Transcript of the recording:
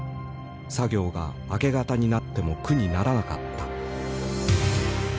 作業が明け方になっても苦にならなかった。